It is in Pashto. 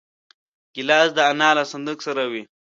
ګیلاس د انا له صندوق سره وي.